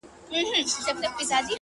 ما د حیاء پردو کي پټي غوښتې٫